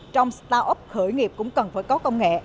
trong start up khởi nghiệp cũng cần phải có công nghệ